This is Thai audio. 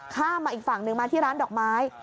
ข้ามมาอีกฝั่งหนึ่งมาที่ร้านดอกไม้